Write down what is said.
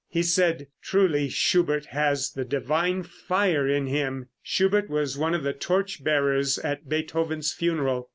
He said "Truly Schubert has the divine fire in him." Schubert was one of the torch bearers at Beethoven's funeral.